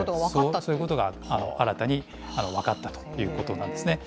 そういうことが新たに分かったということなんですね。